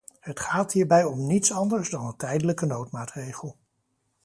Het gaat hierbij om niets anders dan een tijdelijke noodmaatregel.